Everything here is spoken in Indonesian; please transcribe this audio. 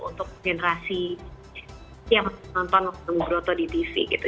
untuk generasi yang menonton broto di tv gitu